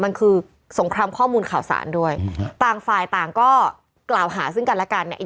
มันคือสงครามข้อมูลข่าวสารด้วยต่างฝ่ายต่างก็กล่าวหาซึ่งกันและกันเนี่ย